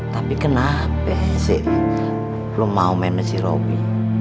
tapi kenapa sih belum mau main nasi robi